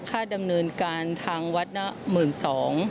ค่าดำเนินการทางวัดนะ๑๒๐๐บาท